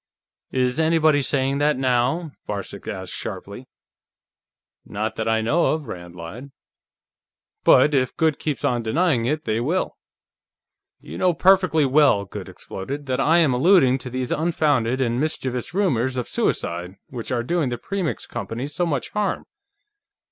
"Is anybody saying that now?" Varcek asked sharply. "Not that I know of," Rand lied. "But if Goode keeps on denying it, they will." "You know perfectly well," Goode exploded, "that I am alluding to these unfounded and mischievous rumors of suicide, which are doing the Premix Company so much harm.